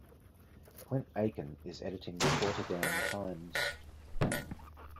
Clint Aiken is editing the Portadown Times.